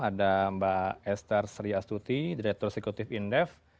ada mbak esther sriastuti direktur eksekutif indef